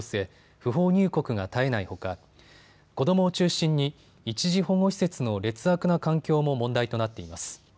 不法入国が絶えないほか、子どもを中心に一時保護施設の劣悪な環境も問題となっています。